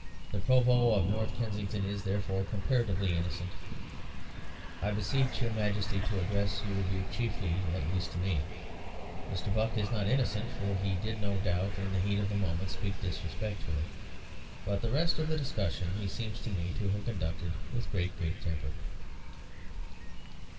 The Provost of North Kensington is, therefore, comparatively innocent. I beseech your Majesty to address your rebuke chiefly, at least, to me. Mr. Buck is not innocent, for he did no doubt, in the heat of the moment, speak disrespectfully. But the rest of the discussion he seems to me to have conducted with great good temper."